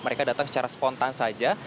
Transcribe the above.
mereka datang secara spontan saja